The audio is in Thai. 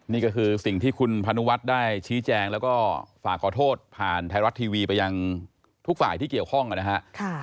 นี่ก็คือสิ่งที่คุณพนุวัฒน์ได้ชี้แจงแล้วก็ฝากขอโทษผ่านไทยรัฐทีวีไปยังทุกฝ่ายที่เกี่ยวข้องนะฮะ